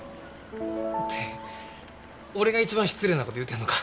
って俺が一番失礼な事言うてんのか。